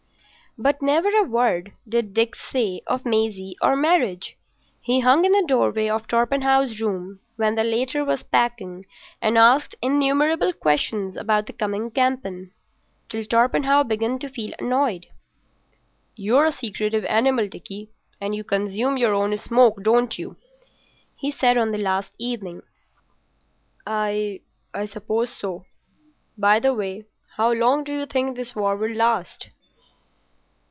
But never a word did Dick say of Maisie or marriage. He hung in the doorway of Torpenhow's room when the latter was packing and asked innumerable questions about the coming campaign, till Torpenhow began to feel annoyed. "You're a secretive animal, Dickie, and you consume your own smoke, don't you?" he said on the last evening. "I—I suppose so. By the way, how long do you think this war will last?"